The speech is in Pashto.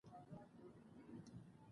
د افغانستان په منظره کې سلیمان غر ښکاره ده.